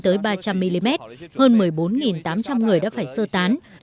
tới ba trăm linh mm hơn một mươi bốn tám trăm linh người đã phải sơ tán